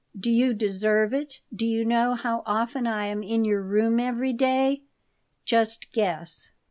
"Do you deserve it? Do you know how often I am in your room every day? Just guess."